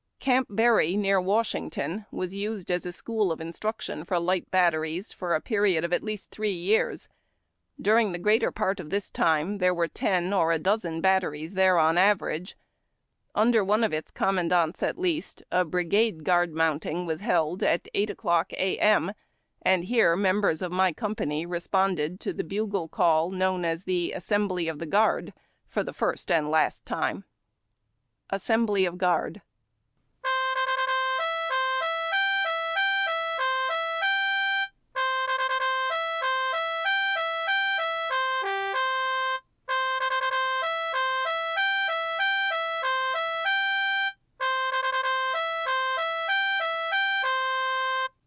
Camp Barry, near Washington, was used as a school of instruction for light batteries, for a period of at least three years. During the greater part of this time there were ten or a dozen batteries there on an average. Under one of its commandants, at least, a brigade guard mounting was held at eight o'clock a. m., and here members of my company re sponded to the bugle call known as the "Assembly of Guard," for the first and last time. 190 HARD TACK AND COFFEE. Assembly of Guakd.